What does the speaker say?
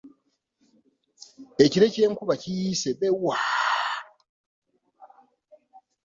Ekire ky’enkuba kiyiise be waa.